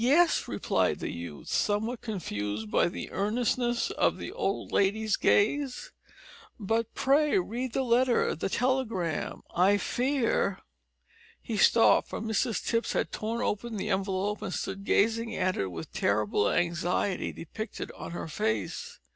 "Yes," replied the youth, somewhat confused by the earnestness of the old lady's gaze, "but pray read the letter the telegram I fear " He stopped, for Mrs Tipps had torn open the envelope, and stood gazing at it with terrible anxiety depicted on her face.